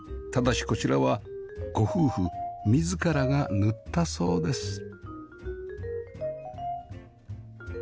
ただしこちらはご夫婦自らが塗ったそうです